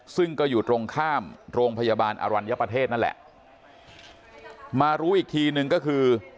ซึ่งก็อยู่ตรงข้ามโรงพยาบาลอรัญญประเทศนั่นแหละมารู้อีกทีนึงก็คือ